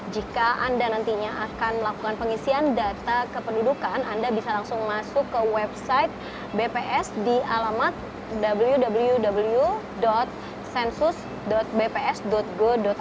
jika anda nantinya akan melakukan pengisian data kependudukan anda bisa langsung masuk ke website bps di alamat www sensus bps go id